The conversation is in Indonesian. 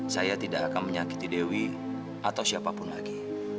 saya tidak akan menyakiti dewi atau siapapun lagi